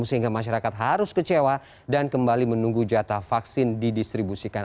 sehingga masyarakat harus kecewa dan kembali menunggu jatah vaksin didistribusikan